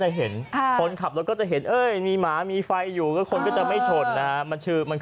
แต่ว่าเขาก็เห็นก็จะเห็นมีหมามีไฟกะพริบอยู่เขาก็จะไม่ชนนะ